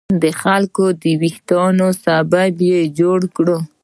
د خلکو د ویښتیا سبب یې جوړ کړو.